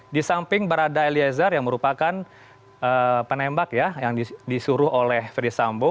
di samping barada eliezer yang merupakan penembak ya yang disuruh oleh ferdisambo